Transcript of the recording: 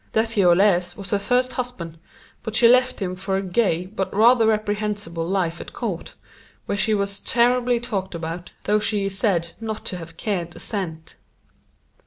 D'Etioles was her first husband, but she left him for a gay but rather reprehensible life at court, where she was terribly talked about, though she is said not to have cared a cent.